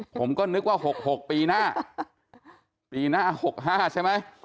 ผมก็นึกว่า๖๖ปีหน้าปีหน้า๖๕ใช่ไหม